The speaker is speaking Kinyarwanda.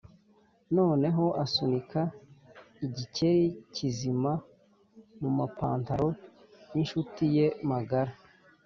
noneho asunika igikeri kizima mumapantaro yinshuti ye magara